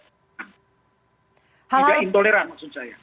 tidak intoleran maksud saya